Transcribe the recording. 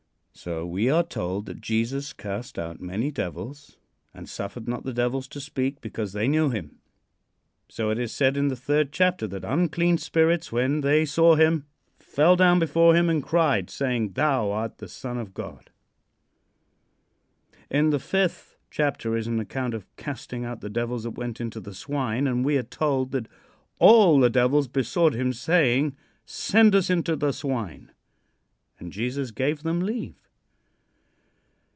So we are told that Jesus cast out many devils, and suffered not the devils to speak because they knew him. So it is said in the third chapter that "unclean spirits, when they saw him, fell down before him and cried, saying, 'Thou art the son of God.'" In the fifth chapter is an account of casting out the devils that went into the swine, and we are told that "all the devils besought him saying, 'Send us into the swine.' And Jesus gave them leave."